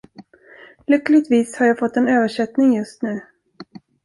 Lyckligtvis har jag fått en översättning just nu.